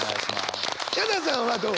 ヒャダさんはどう？